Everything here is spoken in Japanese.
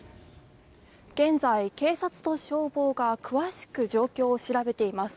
現在、警察と消防が詳しく状況を調べています。